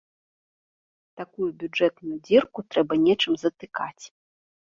Такую бюджэтную дзірку трэба нечым затыкаць.